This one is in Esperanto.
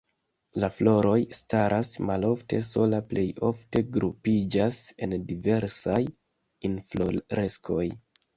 La floroj staras malofte sola, plej ofte grupiĝas en diversaj infloreskoj.